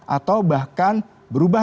atau bahkan berubah